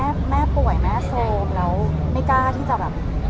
แม่แม่ป่วยแม่โซมแล้วไม่กล้าที่จะแบบ